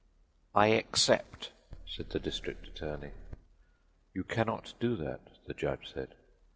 "I except," said the district attorney. "You cannot do that," the judge said.